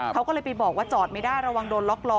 เขาก็เลยไปบอกว่าจอดไม่ได้ระวังโดนล็อกล้อ